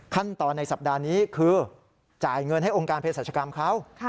ขั้นตอนในสัปดาห์นี้คือจ่ายเงินให้องค์การเพศรัชกรรมเขา